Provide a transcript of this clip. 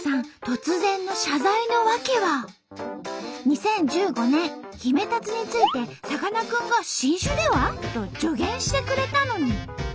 突然の謝罪の訳は２０１５年ヒメタツについてさかなクンが「新種では？」と助言してくれたのに。